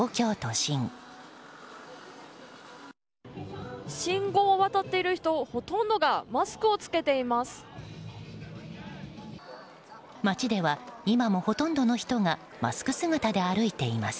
信号を渡っている人ほとんどがマスクを着けています。